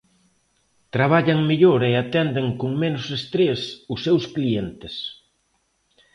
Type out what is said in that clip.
Traballan mellor e atenden con menos estrés os seus clientes.